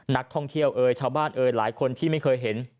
นักท่องเที่ยวเอ่ยชาวบ้านเอ่ยหลายคนที่ไม่เคยเห็น